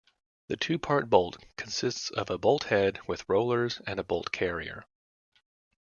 The two-part bolt consists of a bolt head with rollers and a bolt carrier.